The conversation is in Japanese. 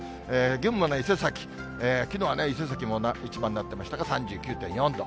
群馬の伊勢崎、きのうは伊勢崎も一番になってましたが、３９．４度。